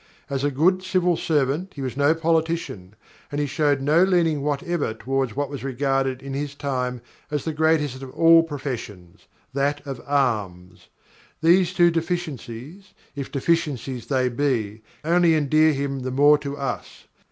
As a good Civil Servant he was no politician, and he showed no leaning whatever toward what was regarded in his time as the greatest of all professions that of arms. These two deficiencies, if deficiencies they be, only endear him the more to us.